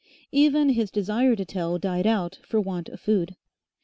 Even his desire to tell died out for want of food.